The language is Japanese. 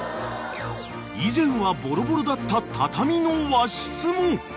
［以前はボロボロだった畳の和室も］